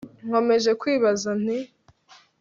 nkomeje kwibaza nti